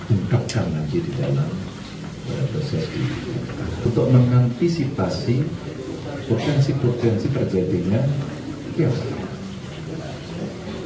untuk mengantisipasi potensi potensi terjadinya ya silakan